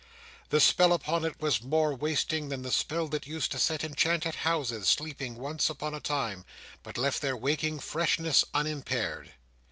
The spell upon it was more wasting than the spell that used to set enchanted houses sleeping once upon a time, but left their waking freshness unimpaired.